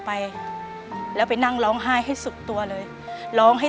เปลี่ยนเพลงเพลงเก่งของคุณและข้ามผิดได้๑คำ